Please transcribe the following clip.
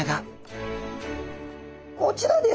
こちらです。